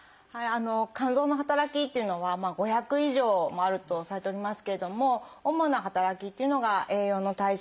肝臓の働きというのは５００以上もあるとされておりますけれども主な働きというのが「栄養の代謝」